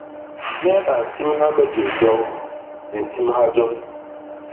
Nyen a nsimha me jôl joñ; di nsimha jo.